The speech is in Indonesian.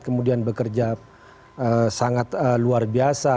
kemudian bekerja sangat luar biasa